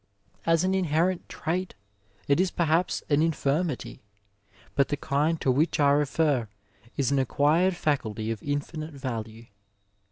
As an inherited trait it is perhaps an infirmity, but the kind to which I refer is an acquired faculty of infinite value.